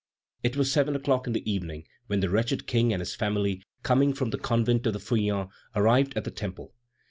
It was seven o'clock in the evening when the wretched King and his family, coming from the convent of the Feuillants, arrived at the Temple.